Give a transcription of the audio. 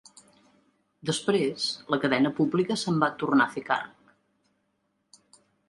Després, la cadena pública se'n va tornar a fer càrrec.